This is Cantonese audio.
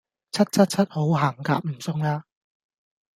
柒柒柒好行夾唔送啦